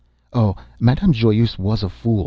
"Oh, Madame Joyeuse was a fool!"